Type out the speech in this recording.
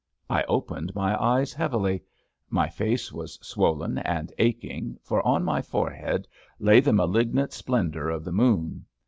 '* I opened my eyes heavily. My face was swollen and aching, for on my forehead lay the malignant splendour of the moon.